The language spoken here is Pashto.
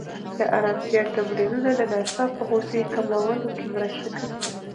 د ارامتیا تمرینونه د ناڅاپه غوسې کمولو کې مرسته کوي.